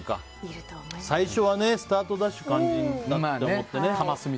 最初はスタートダッシュが肝心だと思ってね。